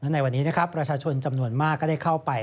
ในวันนี้นะครับประชาชนจำนวนมากก็ได้เข้าไป